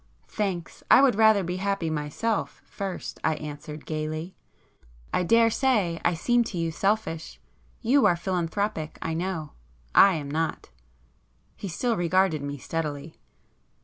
"Thanks, I would rather be happy myself first"—I answered gaily—"I daresay I seem to you selfish,—you are philanthropic I know; I am not." He still regarded me steadily.